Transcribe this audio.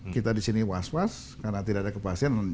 kita di sini was was karena tidak ada kepastian